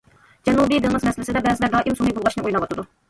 جەنۇبىي دېڭىز مەسىلىسىدە بەزىلەر دائىم سۇنى بۇلغاشنى ئويلاۋاتىدۇ.